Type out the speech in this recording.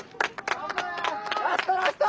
ラストラスト！